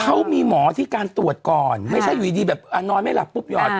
เขามีหมอที่การตรวจก่อนไม่ใช่อยู่ดีแบบนอนไม่หลับปุ๊บหยอด